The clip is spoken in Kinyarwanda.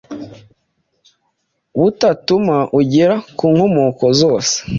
butatuma ugera ku nkomoko zose